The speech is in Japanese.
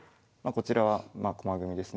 こちらはまあ駒組みですね。